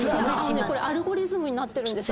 これアルゴリズムになってるんです。